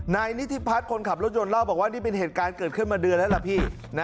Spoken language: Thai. นายนิธิพัฒน์คนขับรถยนต์เล่าบอกว่านี่เป็นเหตุการณ์เกิดขึ้นมาเดือนแล้วล่ะพี่